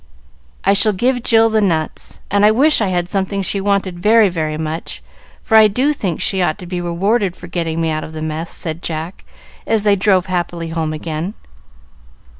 "I shall give Jill the nuts; and I wish I had something she wanted very, very much, for I do think she ought to be rewarded for getting me out of the mess," said Jack, as they drove happily home again.